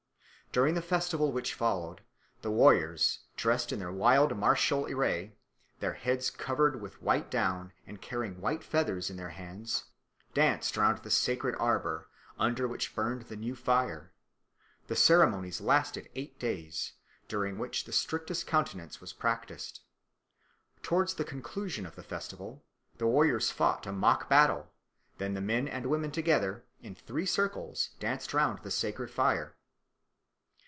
During the festival which followed, the warriors, dressed in their wild martial array, their heads covered with white down and carrying white feathers in their hands, danced round the sacred arbour, under which burned the new fire. The ceremonies lasted eight days, during which the strictest continence was practised. Towards the conclusion of the festival the warriors fought a mock battle; then the men and women together, in three circles, danced round the sacred fire.